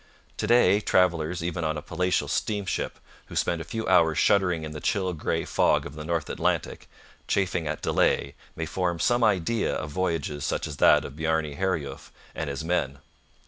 To day travellers even on a palatial steamship, who spend a few hours shuddering in the chill grey fog of the North Atlantic, chafing at delay, may form some idea of voyages such as that of Bjarne Herjulf and his men.